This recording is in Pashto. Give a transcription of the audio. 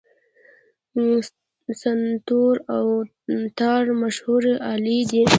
سنتور او تار مشهورې الې دي.